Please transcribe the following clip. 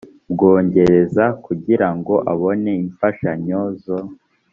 bwongereza kugira ngo abone imfashanyo zo